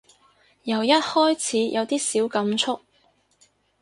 由一開始有啲小感觸